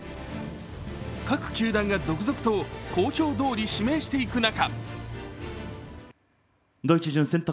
各球団が続々と公表どおり指名していく中